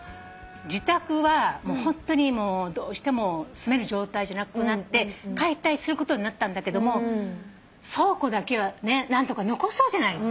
自宅はホントにどうしても住める状態じゃなくなって解体することになったんだけども倉庫だけは何とか残そうじゃないっつって。